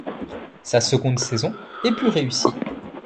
Sa seconde saison est plus réussie.